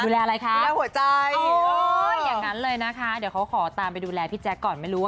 แล้วขายยังไงคนไม่รู้